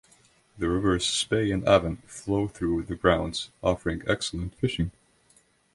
The rivers Spey and Avon flow through the grounds, offering excellent fishing.